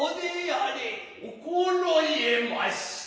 心得ました。